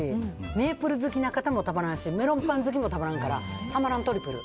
メープル好きな方もたまらんしメロンパン好きにもたまらんからたまらんトリプル。